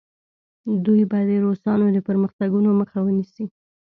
دوی به د روسانو د پرمختګونو مخه ونیسي.